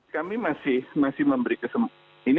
kami masih memberi kesempatan